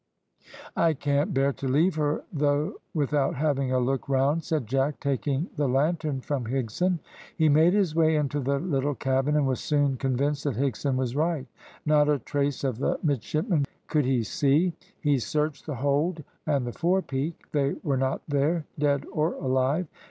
"I can't bear to leave her though without having a look round," said Jack, taking the lantern from Higson. He made his way into the little cabin, and was soon convinced that Higson was right. Not a trace of the midshipmen could he see. He searched the hold and the fore peak. They were not there, dead or alive.